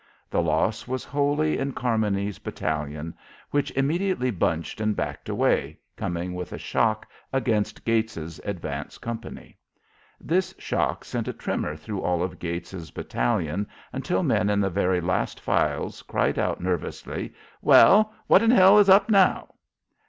The loss was wholly in Carmony's battalion, which immediately bunched and backed away, coming with a shock against Gates's advance company. This shock sent a tremor through all of Gates's battalion until men in the very last files cried out nervously, "Well, what in hell is up now?"